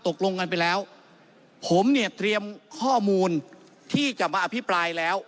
ตกลงกันไปแล้วผมเนี่ยเตรียมข้อมูลที่จะมาอภิปรายแล้ว